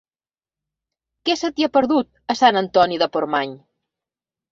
Què se t'hi ha perdut, a Sant Antoni de Portmany?